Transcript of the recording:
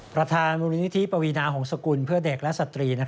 ประธานมูลนิธิปวีนาหงษกุลเพื่อเด็กและสตรี